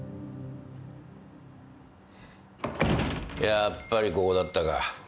やっぱりここだったか。